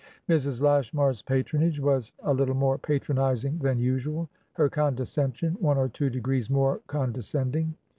Mrs. Lashmar's patronage was a little more patronizing than usual, her condescension one or two degrees more condescending.